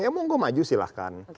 ya mau gue maju silahkan